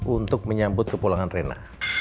untuk menyambut ke pulangan rena